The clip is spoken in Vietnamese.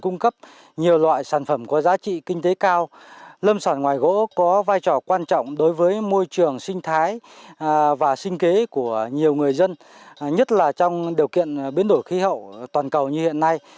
cung cấp nhiều loại sản phẩm có giá trị kinh tế cao lâm sản ngoài gỗ có vai trò quan trọng đối với môi trường sinh thái và sinh kế của nhiều người dân nhất là trong điều kiện biến đổi khí hậu toàn cầu như hiện nay